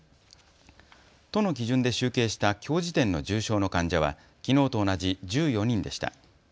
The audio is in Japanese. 都の基準で集計したきょう時点の重症の患者はきのうと同じ１４人でした。